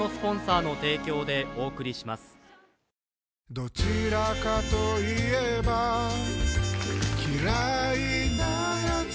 どちらかと言えば嫌いなやつ